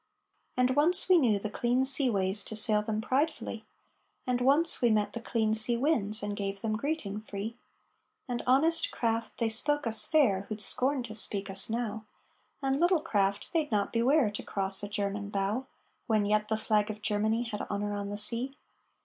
And once we knew the clean seaways to sail them pridefully; And once we met the clean sea winds and gave them greeting free; And honest craft, they spoke us fair, who'd scorn to speak us now; And little craft, they'd not beware to cross a German bow When yet the flag of Germany had honor on the sea.